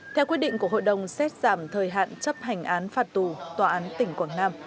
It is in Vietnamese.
theo quyết định của hội đồng xét giảm thời hạn chấp hành án phạt tù tòa án tỉnh quảng nam